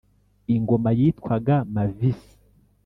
ingoma yitwaga mavis